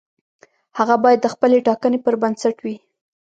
هغه باید د خپلې ټاکنې پر بنسټ وي.